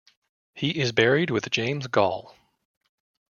He is buried with James Gall.